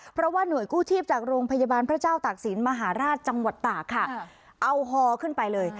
เพราะว่าหน่วยกู้ชีพจากโรงพยาบาลพระเจ้าตากศิลปมหาราชจังหวัดตากค่ะเอาฮอขึ้นไปเลย